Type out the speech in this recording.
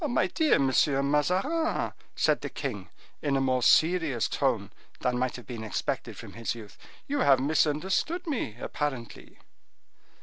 "My dear Monsieur Mazarin," said the king, in a more serious tone than might have been expected from his youth, "you have misunderstood me, apparently."